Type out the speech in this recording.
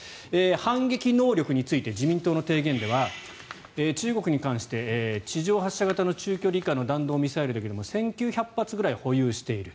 反撃能力について自民党の提言では中国に関して地上発射型の中距離以下の弾道ミサイルだけでも１９００発ぐらい保有している。